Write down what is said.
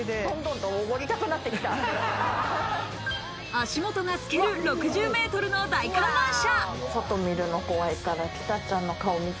足元が透ける６０メートルの大観覧車。